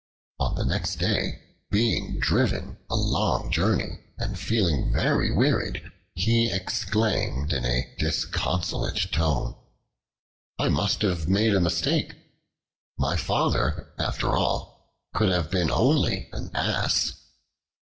On the next day, being driven a long journey, and feeling very wearied, he exclaimed in a disconsolate tone: "I must have made a mistake; my father, after all, could have been only an ass."